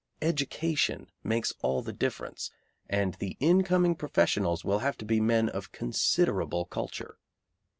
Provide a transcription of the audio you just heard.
Education makes all the difference, and the incoming professionals will have to be men of considerable culture.